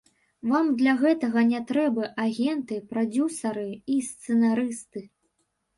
Вам для гэтага не трэба агенты, прадзюсары і сцэнарысты.